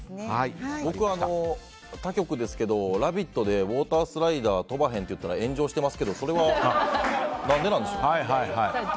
僕は他局ですけど「ラヴィット！」でウォータースライダー飛ばへんって言ったら炎上してますけどそれは何ででしょう？